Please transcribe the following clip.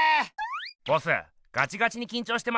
ボスガチガチにきんちょうしてますね。